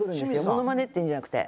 ものまねっていうんじゃくて。